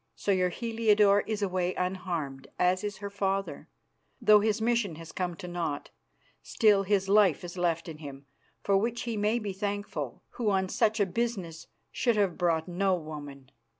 So your Heliodore is away unharmed, as is her father, though his mission has come to naught. Still, his life is left in him, for which he may be thankful, who on such a business should have brought no woman.